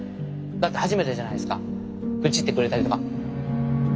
だって初めてじゃないですか愚痴ってくれたりとか。